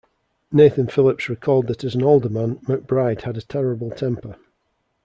Nathan Phillips recalled that as an alderman, McBride had a terrible temper.